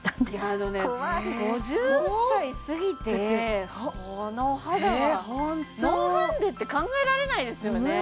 あのね５０歳過ぎてて怖いそのお肌はノーファンデって考えられないですよね